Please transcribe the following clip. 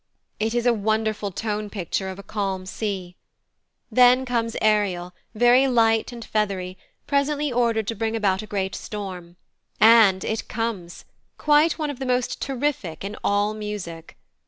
It is a wonderful tone picture of a calm sea. Then comes Ariel, very light and feathery, presently ordered to bring about a great storm: and it comes quite one of the most terrific in all music.